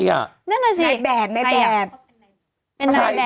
นั่นแหละสิในแบบ